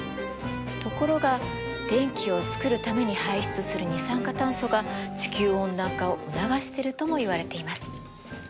ところが電気をつくるために排出する二酸化炭素が地球温暖化を促してるともいわれています。